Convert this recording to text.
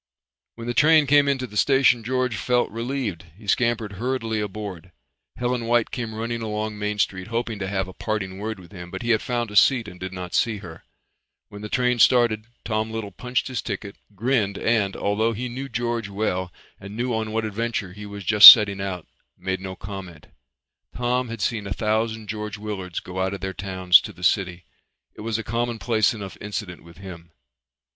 When the train came into the station George felt relieved. He scampered hurriedly aboard. Helen White came running along Main Street hoping to have a parting word with him, but he had found a seat and did not see her. When the train started Tom Little punched his ticket, grinned and, although he knew George well and knew on what adventure he was just setting out, made no comment. Tom had seen a thousand George Willards go out of their towns to the city. It was a commonplace enough incident with him.